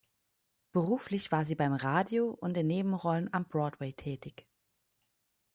Beruflich war sie beim Radio und in Nebenrollen am Broadway tätig.